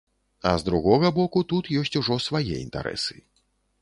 А з другога боку, тут ёсць ужо свае інтарэсы.